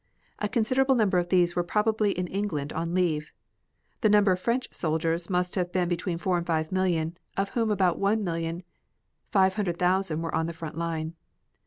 A considerable number of these were probably in England on leave. The number of French soldiers must have been between four and five million, of whom about one million five hundred thousand were on the front line.